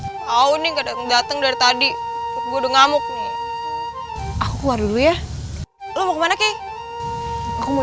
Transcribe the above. tahu nih gak dateng dari tadi udah ngamuk aku keluar dulu ya lo mau kemana kek aku mau